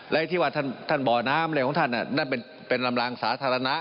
และที่ว่าท่านบ่อน้ำอะไรของท่านนั่นเป็นลำลางสาธารณะ